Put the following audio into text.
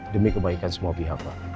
demi kebaikan semua pihak pak